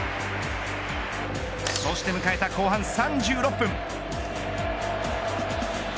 そして迎えた後半３６分。